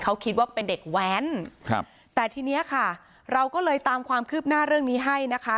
เขาคิดว่าเป็นเด็กแว้นครับแต่ทีเนี้ยค่ะเราก็เลยตามความคืบหน้าเรื่องนี้ให้นะคะ